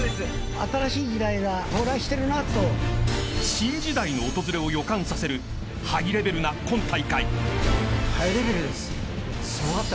［新時代の訪れを予感させるハイレベルな今大会］